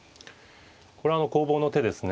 これはあの攻防の手ですね。